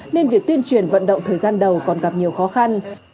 nên việc tuyên truyền vận động thời gian đầu còn gặp nhiều khó khăn